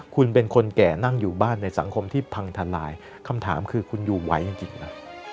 คุณเป็นคนแก่นั่งอยู่บ้านในสังคมที่พังทลายคำถามคือคุณอยู่ไหวจริงนะ